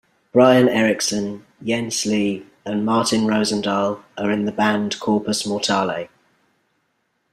Brian Eriksen, Jens Lee and Martin Rosendahl are in the band Corpus Mortale.